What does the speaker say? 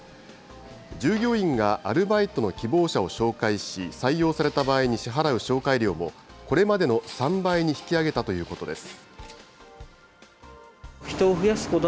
従業員がアルバイトの希望者を紹介し、採用された場合に支払う紹介料もこれまでの３倍に引き上げたということです。